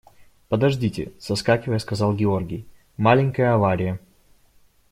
– Подождите, – соскакивая, сказал Георгий, – маленькая авария.